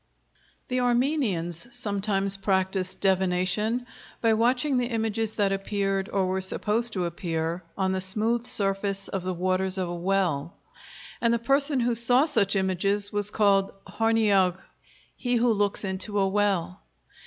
The Armenians sometimes practised divination by watching the images that appeared, or were supposed to appear, on the smooth surface of the waters of a well, and the person who saw such images was called hornaiogh, "he who looks into a well."